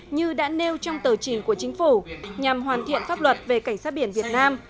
như đã nêu trong tờ trình của chính phủ nhằm hoàn thiện pháp luật về cảnh sát biển việt nam